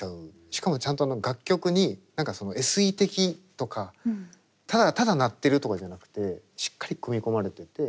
しかもちゃんと楽曲に何かそのＳＥ的とかただ鳴ってるとかじゃなくてしっかり組み込まれてて。